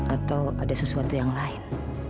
atau ada sesuatu yang lain